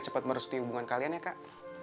cepat merusti hubungan kalian ya kak